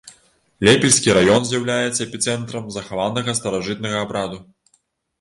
Лепельскі раён з'яўляецца эпіцэнтрам захаванага старажытнага абраду.